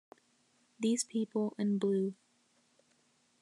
These people in blue.